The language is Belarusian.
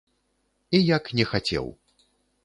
І як не хацеў!